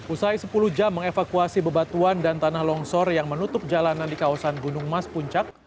usai sepuluh jam mengevakuasi bebatuan dan tanah longsor yang menutup jalanan di kawasan gunung mas puncak